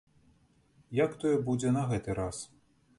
Як тое будзе на гэты раз?